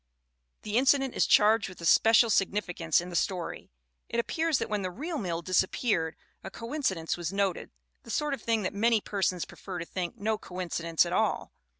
' The incident is charged with a special signifi cance in the story. It appears that when the real mill disappeared a coincidence was noted, the sort of thing that many persons prefer to think no coincidence at all.